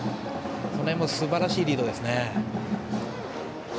その辺もすばらしいリードですね。